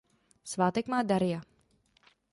Svátek má Darja.